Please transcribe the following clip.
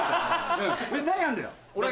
何やんだよ？